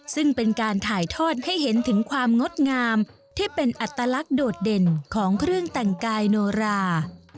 ซึ่งเป็นการถ่ายทอดให้เห็นถึงความงดงามที่เป็นอัตลักษณ์โดดเด่นของเครื่องแต่งกายโนรา